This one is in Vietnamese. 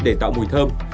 để tạo mùi thơm